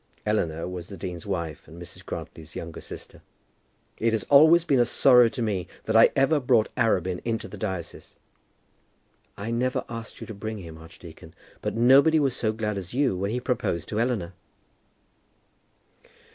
Eleanor was the dean's wife, and Mrs. Grantly's younger sister. "It has always been a sorrow to me that I ever brought Arabin into the diocese." "I never asked you to bring him, archdeacon. But nobody was so glad as you when he proposed to Eleanor."